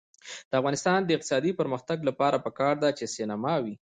د افغانستان د اقتصادي پرمختګ لپاره پکار ده چې سینما وي.